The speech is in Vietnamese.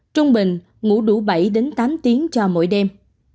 trung bình ngủ đủ bảy tám tiếng cho mỗi đêm